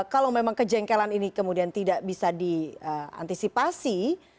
kalau memang kejengkelan ini kemudian tidak bisa diantisipasi